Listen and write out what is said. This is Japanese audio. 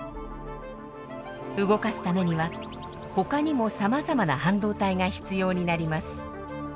動かすためにはほかにもさまざまな半導体が必要になります。